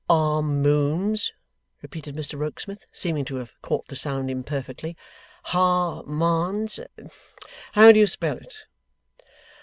'Harmoon's,' repeated Mr Rokesmith, seeming to have caught the sound imperfectly, 'Harmarn's. How do you spell it?